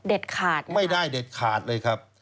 เด็ดขาดนะครับไม่ได้เด็ดขาดเลยครับ